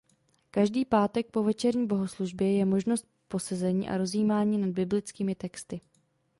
Každý pátek po večerní bohoslužbě je možnost posezení a rozjímání nad biblickými texty.